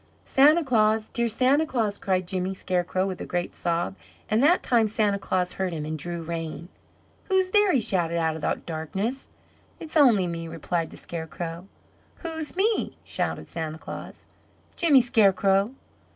"Santa Claus! dear Santa Claus!" cried Jimmy Scarecrow with a great sob, and that time Santa Claus heard him and drew rein. "Who's there?" he shouted out of the darkness. "It's only me," replied the Scarecrow. "Who's me?" shouted Santa Claus. "Jimmy Scarecrow!"